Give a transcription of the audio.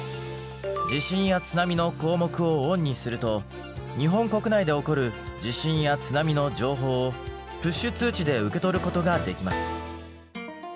地震や津波の項目をオンにすると日本国内で起こる地震や津波の情報をプッシュ通知で受け取ることができます。